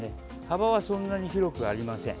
幅はそんなに広くありません。